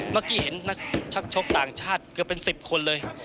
เมื่อกี้เห็นนักชักชกต่างชาติเกือบเป็น๑๐คนเลย